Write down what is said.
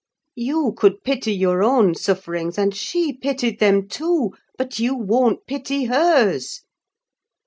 You could pity your own sufferings; and she pitied them, too; but you won't pity hers!